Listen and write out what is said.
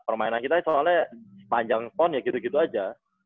permainan kita soalnya sepanjang font ya gitu gitu aja